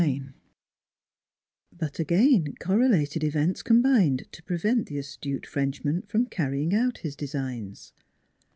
XVIII BUT again correlated events combined to pre vent the astute Frenchman from carrying out his designs.